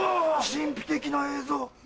神秘的な映像。